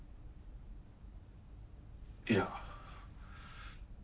いや。